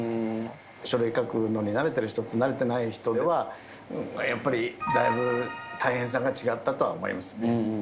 書類書くのに慣れてる人と慣れてない人では、やっぱり、だいぶ大変さが違ったとは思いますね。